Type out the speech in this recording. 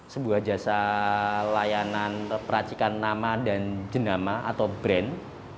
sebuah jasa layanan peracikan nama dan jenama atau brand